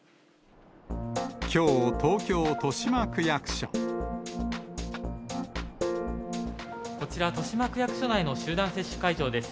きょう、こちら、豊島区役所内の集団接種会場です。